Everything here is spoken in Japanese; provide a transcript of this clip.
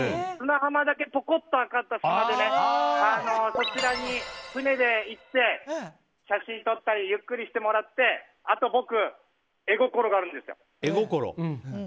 砂浜だけちょこっと上がった島でそちらに船で行って写真を撮ったりゆっくりしてもらってあと僕、絵心があるんですよ。